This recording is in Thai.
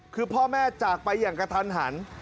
คือพ่อแม่จากไปอย่างกระทันหัน